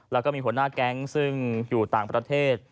แล้วก็มีหัวหน้าแก๊งซึ่งอยู่ต่างประเทศ